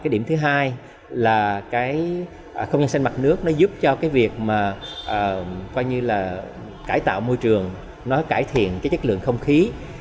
điểm thứ hai là không gian xanh mặt nước giúp cho việc cải tạo môi trường cải thiện chất lượng không khí